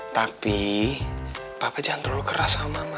tapi papa jangan terlalu keras sama mama